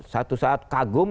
satu saat kagum